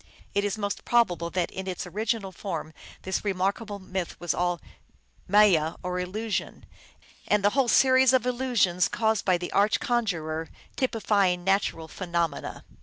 It is most probable that in its original form this remarkable myth was all maya, or illusion, and the whole a series of illusions, caused by the arch conjurer, typifying natural phenomena.